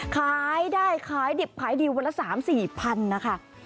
ขายได้ขายดิบขายดีวันละ๓๔พันนะคะ